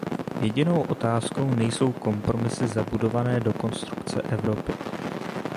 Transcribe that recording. Jedinou otázkou nejsou kompromisy zabudované do konstrukce Evropy.